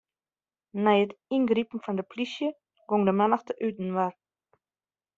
Nei it yngripen fan 'e polysje gong de mannichte útinoar.